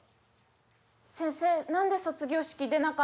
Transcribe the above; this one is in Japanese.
先生何で卒業式出なかったんですか？